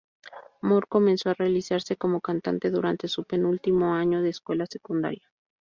Moore comenzó a realizarse como cantante durante su penúltimo año de escuela secundaria.